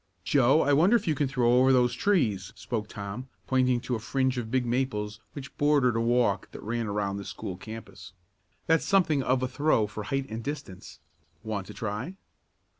"Joe, I wonder if you can throw over those trees," spoke Tom, pointing to a fringe of big maples which bordered a walk that ran around the school campus. "That's something of a throw for height and distance. Want to try?"